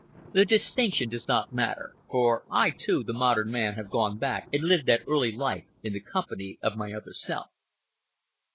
The distinction does not matter; for I, too, the modern man, have gone back and lived that early life in the company of my other self.